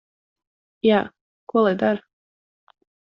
Jā. Ko lai dara?